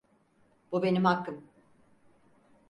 Bu benim hakkım.